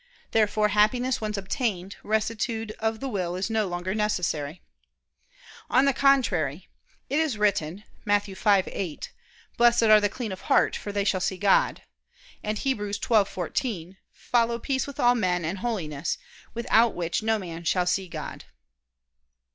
Therefore, Happiness once obtained, rectitude of the will is no longer necessary. On the contrary, It is written (Matt. 5:8): "Blessed are the clean of heart; for they shall see God": and (Heb. 12:14): "Follow peace with all men, and holiness; without which no man shall see God."